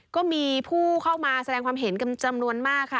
ก็มีผู้เข้ามาแสดงความเห็นกันจำนวนมากค่ะ